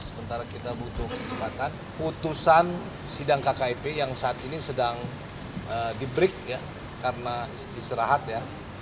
sementara kita butuh kecepatan putusan sidang kkip yang saat ini sedang di break ya karena istirahat ya